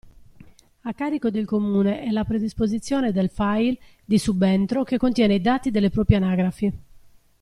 A carico del Comune è la predisposizione del file di subentro che contiene i dati delle proprie anagrafi.